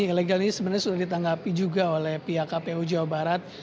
ilegal ini sebenarnya sudah ditanggapi juga oleh pihak kpu jawa barat